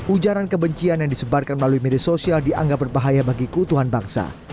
ujaran kebencian yang disebarkan melalui media sosial dianggap berbahaya bagi keutuhan bangsa